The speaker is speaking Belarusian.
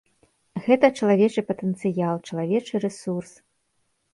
Гэта чалавечы патэнцыял, чалавечы рэсурс.